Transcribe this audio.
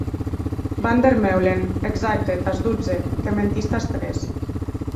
Van der Meulen, exacte, tàs dotze, que mentís tàs tres.